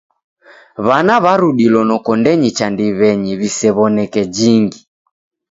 W'ana w'arudilo nokondenyi cha ndiw'enyi w'isew'oneke jingi.